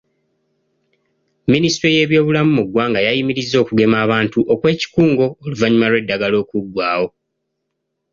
Minisitule y’ebyobulamu mu ggwanga yayimiriza okugema abantu okwekikungo oluvannyuma lw’eddagala okuggwaawo.